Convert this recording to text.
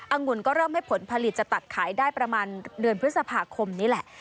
งุ่นก็เริ่มให้ผลผลิตจะตัดขายได้ประมาณเดือนพฤษภาคมนี้แหละ